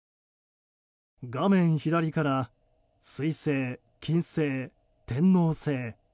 画面左から水星、金星、天王星。